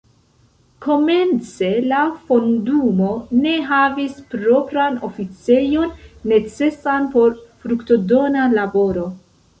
Komence la fondumo ne havis propran oficejon necesan por fruktodona laboro.